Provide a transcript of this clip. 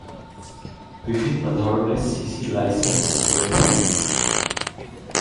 বিভিন্ন ধরনের CC license রয়েছে।